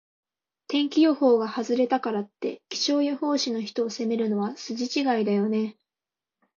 天気予報が外れたからって、気象予報士の人を責めるのは筋違いだよね。